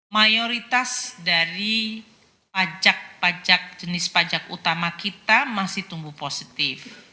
mayoritas dari pajak pajak jenis pajak utama kita masih tumbuh positif